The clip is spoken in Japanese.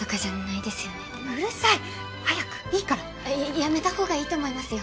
ややめたほうがいいと思いますよ。